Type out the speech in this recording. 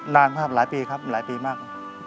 นานมากหลายปีครับหลายปีมาก